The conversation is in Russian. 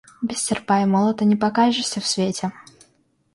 Без серпа и молота не покажешься в свете!